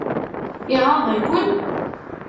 Iɣaḍ-iken?